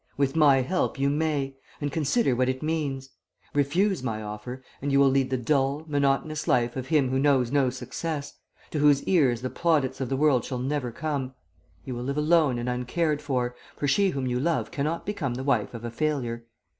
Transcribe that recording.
With my help you may and consider what it means. Refuse my offer, and you will lead the dull, monotonous life of him who knows no success, to whose ears the plaudits of the world shall never come; you will live alone and uncared for, for she whom you love cannot become the wife of a failure.